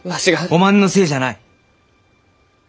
おまんのせいじゃない。